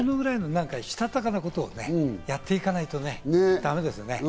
それぐらいのしたたかなことをやっていかないとだめですね。